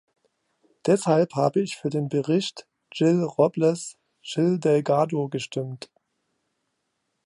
Deshalb habe ich für den Bericht Gil-Robles Gil-Delgado gestimmt.